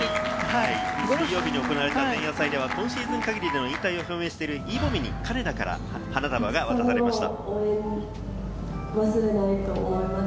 金曜日に行われた前夜祭では今週限りで引退表明しているイ・ボミ、金田から花束が贈られました。